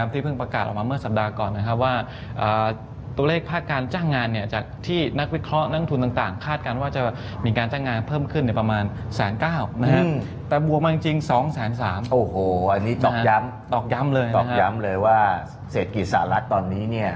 แต่บวกมันจริง๒แสน๓อันนี้ตอบย้ำตอบย้ำเลยว่าเศรษฐกิจสหรัฐตอนนี้เนี่ย